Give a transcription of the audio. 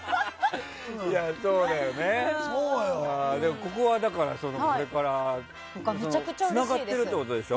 ここは、これからつながってるってことでしょ。